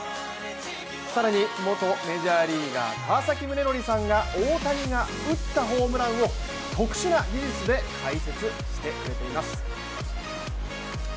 更に元メジャーリーガー川崎宗則さんが大谷が打ったホームランを特殊な技術で解説してくれています。